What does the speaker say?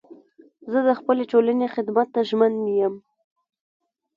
زه د خپلي ټولني خدمت ته ژمن یم.